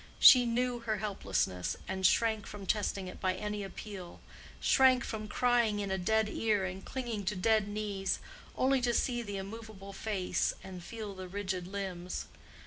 She knew her helplessness, and shrank from testing it by any appeal—shrank from crying in a dead ear and clinging to dead knees, only to see the immovable face and feel the rigid limbs.